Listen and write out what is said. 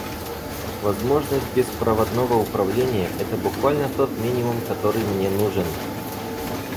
Возможность беспроводного управления — это буквально тот минимум, который мне нужен.